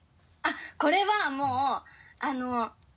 これはもうあの。